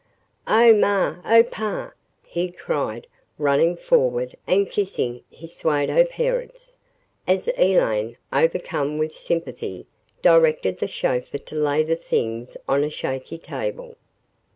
"Oh, ma oh, pa," he cried running forward and kissing his pseudo parents, as Elaine, overcome with sympathy, directed the chauffeur to lay the things on a shaky table.